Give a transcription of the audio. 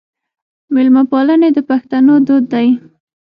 میلمه پالنه د پښتنو دود دی.